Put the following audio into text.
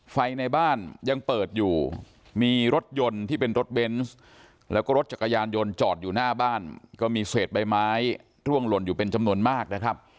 ไฟในบ้านยังเปิดอยู่มีรถยนต์ที่เป็นรถเบนส์แล้วก็รถจักรยานยนต์จอดอยู่หน้าบ้านก็มีเศษใบไม้ร่วงหล่นอยู่เป็นจำนวนมากนะครับ